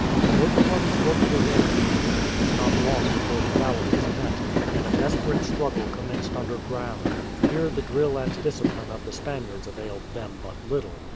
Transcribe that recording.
Both parties worked with energy, and it was not long before the galleries met, and a desperate struggle commenced under ground. Here the drill and discipline of the Spaniards availed them but little.